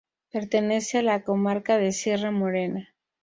Pertenece a la comarca de Sierra Morena.